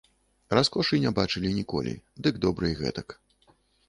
Раскошы не бачылі ніколі, дык добра і гэтак.